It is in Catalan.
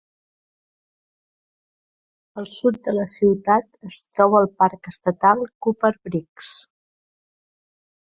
Al sud de la ciutat es troba el parc estatal Copper Breaks.